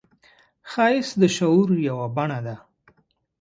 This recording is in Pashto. ښایست د شعور یوه بڼه ده